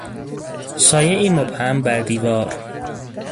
سایهای مبهم بر دیوار